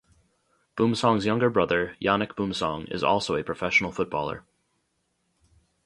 Boumsong's younger brother, Yannick Boumsong, is also a professional footballer.